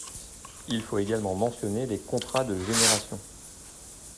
Il faut également mentionner les contrats de génération.